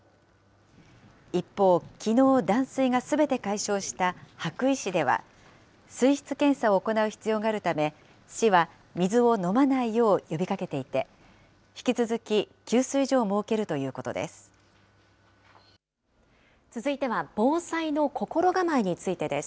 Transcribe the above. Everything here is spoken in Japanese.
一方、きのう、断水がすべて解消した羽咋市では、水質検査を行う必要があるため、市は水を飲まないよう呼びかけていて、引き続き給水所を設けるということです。